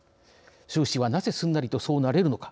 習氏はなぜすんなりとそうなれるのか。